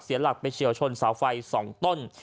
เสียหลักไปเฉลชนสาวไฟ๒ต้น